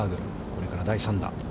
これから第３打。